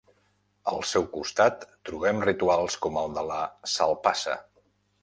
Al seu costat trobem rituals com el de la «salpassa».